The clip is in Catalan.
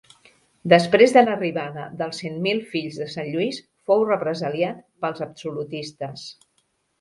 Després de l'arribada dels Cent Mil Fills de Sant Lluís fou represaliat pels absolutistes.